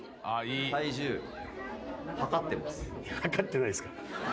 量ってないですから。